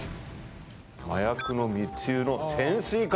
麻薬の密輸の潜水艦。